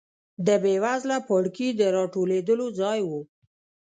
د بېوزله پاړکي د راټولېدو ځای و.